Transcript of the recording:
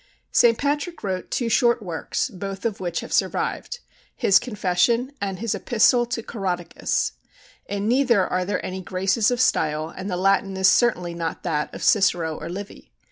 St. Patrick wrote two short works, both of which have survived, his Confession and his Epistle to Coroticus. In neither are there any graces of style, and the Latin is certainly not that of Cicero or Livy.